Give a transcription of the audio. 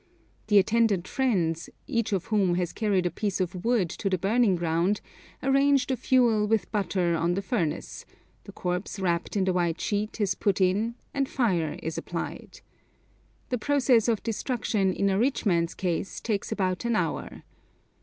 The attendant friends, each of whom has carried a piece of wood to the burning ground, arrange the fuel with butter on the furnace, the corpse wrapped in the white sheet is put in, and fire is applied. The process of destruction in a rich man's case takes about an hour.